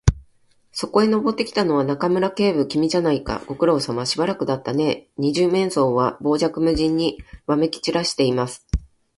そこへ登ってきたのは、中村警部君じゃないか。ご苦労さま。しばらくだったねえ。二十面相は傍若無人にわめきちらしています。